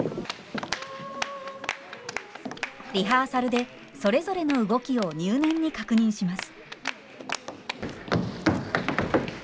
リハーサルでそれぞれの動きを入念に確認します。